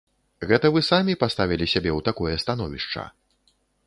Гэта вы самі паставілі сябе ў такое становішча!